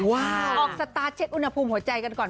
ออกสตาร์ทเช็คอุณหภูมิหัวใจกันก่อน